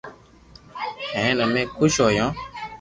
ھين امي خوݾ ھويو